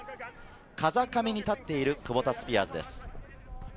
風上に立っているクボタスピアーズです。